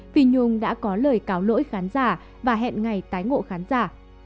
phi nhung đã có lời cáo lỗi khán giả và hẹn ngày tái ngộ khán giả